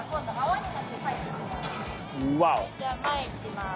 じゃあ前いきます。